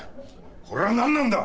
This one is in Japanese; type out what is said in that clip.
これはなんなんだ！